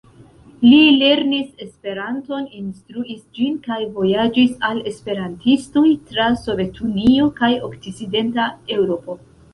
Li lernis Esperanton, instruis ĝin kaj vojaĝis al esperantistoj tra Sovetunio kaj okcidenta Eŭropo.